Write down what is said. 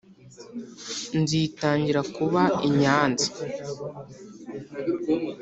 Nzitangira kuba inyanzi